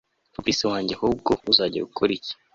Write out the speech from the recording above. Fabric wajye ahubwo uzakora iki